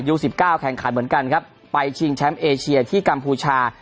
สิบเก้าแข่งขันเหมือนกันครับไปชิงแชมป์เอเชียที่กัมพูชา